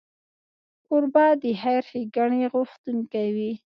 کوربه د خیر ښیګڼې غوښتونکی وي.